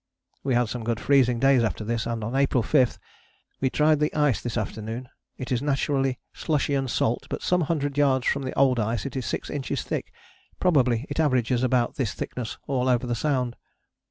" We had some good freezing days after this, and on April 5 "we tried the ice this afternoon. It is naturally slushy and salt, but some hundred yards from the old ice it is six inches thick: probably it averages about this thickness all over the Sound."